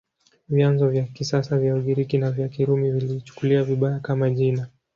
Vyanzo vya kisasa vya Ugiriki na vya Kirumi viliichukulia vibaya, kama jina.